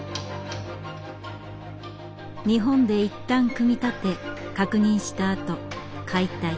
日本でいったん組み立て確認したあと解体。